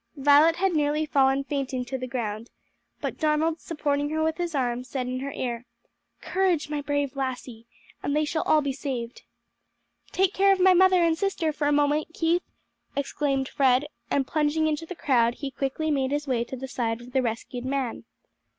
Violet had nearly fallen fainting to the ground, but Donald, supporting her with his arm said in her ear, "Courage, my brave lassie! and they shall all be saved." "Take care of my mother and sister for a moment, Keith!" exclaimed Fred, and plunging into the crowd he quickly made his way to the side of the rescued man.